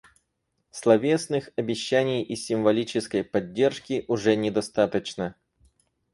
Словесных обещаний и символической поддержки уже недостаточно.